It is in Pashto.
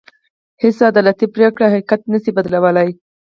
هېڅ عدالتي پرېکړه حقيقت نه شي بدلولی.